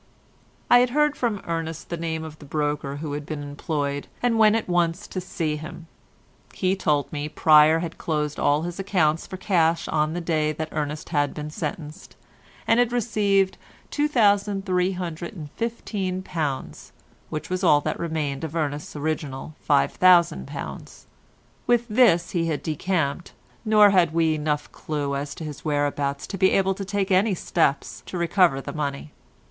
I had heard from Ernest the name of the broker who had been employed, and went at once to see him. He told me Pryer had closed all his accounts for cash on the day that Ernest had been sentenced, and had received £2315, which was all that remained of Ernest's original £5000. With this he had decamped, nor had we enough clue as to his whereabouts to be able to take any steps to recover the money.